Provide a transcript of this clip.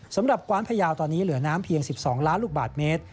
กว้านพยาวตอนนี้เหลือน้ำเพียง๑๒ล้านลูกบาทเมตร